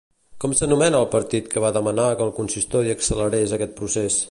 Com s'anomena el partit que va demanar que el consistori accelerés aquest procés?